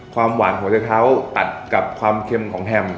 ความหวานของเจ๊เท้าตัดกับความเค็มของแฮม